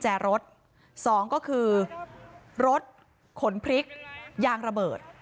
แล้วเดี๋ยวเล่าความคลิปกันก่อน